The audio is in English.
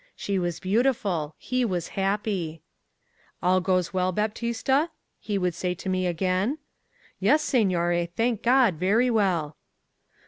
She was beautiful. He was happy. 'All goes well, Baptista?' he would say to me again. 'Yes, signore, thank God; very well.